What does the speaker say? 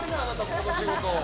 この仕事。